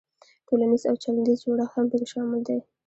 تولنیز او چلندیز جوړښت هم پکې شامل دی.